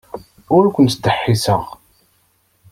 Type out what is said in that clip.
Ur ken-ttdeḥḥiseɣ.